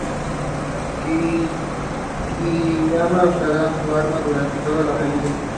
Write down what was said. Kiriyama usará su arma durante toda la película.